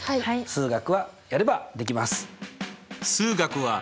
数学はやればできます！